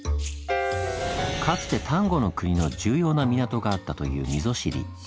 かつて丹後国の重要な港があったという溝尻。